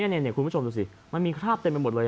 นี่คุณผู้ชมดูสิมันมีคราบเต็มไปหมดเลย